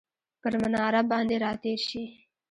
پر مناره باندې راتیرشي،